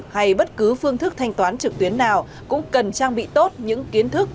hay bất cứ phương thức thanh toán trực tuyến nào cũng cần trang bị tốt những kiến thức